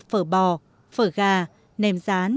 phở bò phở gà nèm rán